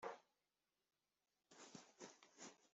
Guhera mu mwaka wa gatatu w’amashuri yisumbuye kugeza arangije